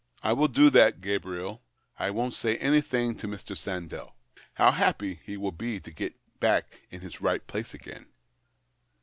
" I will do that, Gabriel. I won't say anything to Mr. Sandell. How happy he will be to get back in his right place again